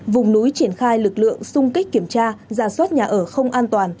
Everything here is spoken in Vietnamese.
vùng núi triển khai lực lượng sung kích kiểm tra gia soát nhà ở không an toàn